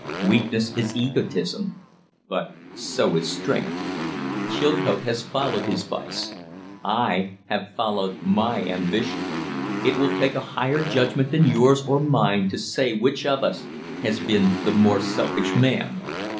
Weakness is egotism but so is strength. Chilcote has followed his vice; I have followed my ambition. It will take a higher judgment than yours or mine to say which of us has been the more selfish man."